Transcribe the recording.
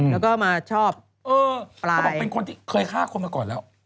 แล้วก็มาชอบปลายเคยฆ่าคนมาก่อนแล้ว